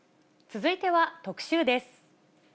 続いては特集です。